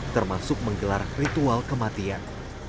termasuk menggelar ritual kematian